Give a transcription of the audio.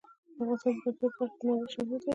افغانستان د پکتیا په برخه کې نړیوال شهرت لري.